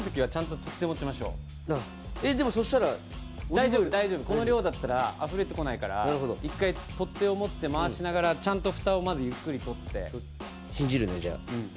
まずでもそしたらオリーブオイル大丈夫大丈夫この量だったらあふれてこないから１回取っ手を持って回しながらちゃんと蓋をまずゆっくり取って信じるねじゃあうん